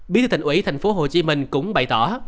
bí thư thành ủy tp hcm cũng bày tỏ